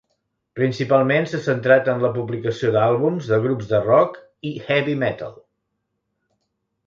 Principalment s'ha centrat en la publicació d'àlbums de grups de rock i heavy metal.